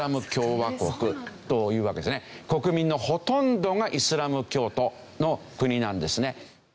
国民のほとんどがイスラム教徒の国なんですね。